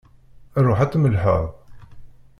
Ṛuḥ ad tmellḥeḍ!